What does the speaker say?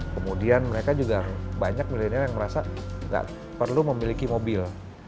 kemudian mereka juga banyak milenial yang merasa nggak perlu memiliki mobil